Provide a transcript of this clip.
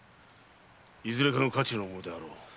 いずれかの家中の者であろう。